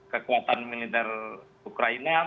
kekuatan militer ukraina